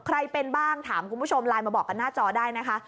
ใครเป็นบ้างถามคุณผู้ชมไลน์มาบอกกันหน้าจอได้นะคะ